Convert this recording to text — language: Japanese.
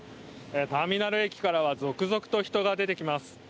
ターミナル駅からは続々と人が出てきます。